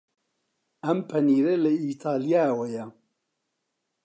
ئەم پەنیرە لە ئیتاڵیاوەیە.